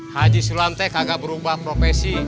haji sulam teh kagak berubah profesi